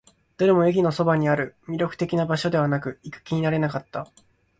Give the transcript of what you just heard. どれも駅のそばにある。魅力的な場所ではなく、行く気にはなれなかった。